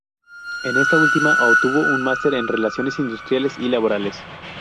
En esta última, obtuvo un máster en Relaciones Industriales y Laborales.